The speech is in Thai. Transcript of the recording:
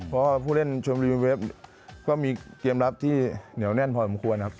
เพราะว่าผู้เล่นชมรีวิวเวฟก็มีเกมรับที่เหนียวแน่นพอสมควรครับ